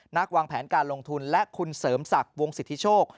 วางแผนการลงทุนและคุณเสริมศักดิ์วงสิทธิโชค